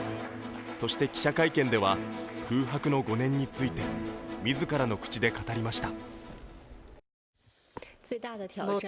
そして記者会見では空白の５年について自らの口で語りました。